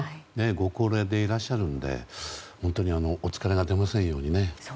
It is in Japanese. ご高齢でいらっしゃるので本当にお疲れが出ませんようにね。